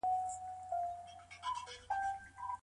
خپل ځان له هر ډول خطرناکو کارونو وساتئ.